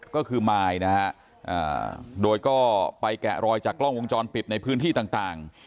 ก็คือมายนะฮะโดยก็ไปแกะรอยจากกล้องวงจรปิดในพื้นที่ต่าง